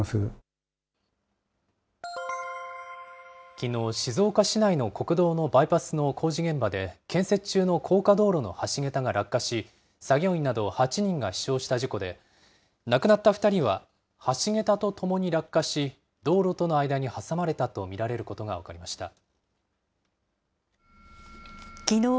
きのう、静岡市内の国道のバイパスの工事現場で、建設中の高架道路の橋桁が落下し、作業員など８人が死傷した事故で、亡くなった２人は、橋桁と共に落下し、道路との間に挟まれたと見られることが分かりきのう